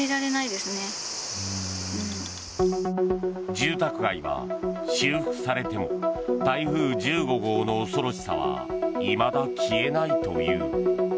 住宅街は修復されても台風１５号の恐ろしさはいまだ消えないという。